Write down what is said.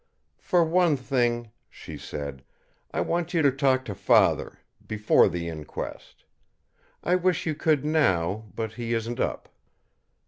"For one thing," she said, "I want you to talk to father before the inquest. I wish you could now, but he isn't up."